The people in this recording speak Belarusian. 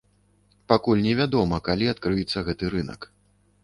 Пакуль невядома, калі адкрыецца гэты рынак.